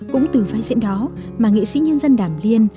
cũng từ vai diễn đó mà nghệ sĩ nhân dân đàm liên